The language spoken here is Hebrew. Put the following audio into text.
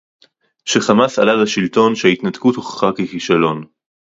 "ש"חמאס" עלה לשלטון, שההתנתקות הוכחה ככישלון"